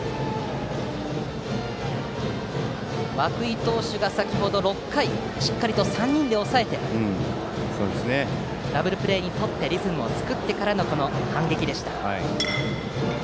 涌井投手が先程の６回をしっかりと３人で抑えてダブルプレーにとってリズムを作ってからの反撃でした。